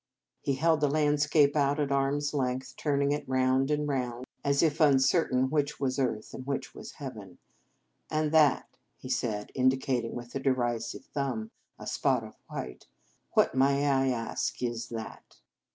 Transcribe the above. He held the landscape out at arm s length, turning it round and round, as if uncertain which was earth and which was heaven. " And that," he said, indicating with a derisive thumb a spot of white, " what, may I ask, is that?"